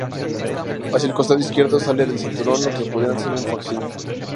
Hacia el costado izquierdo sale del cinturón lo que podría ser un fajín.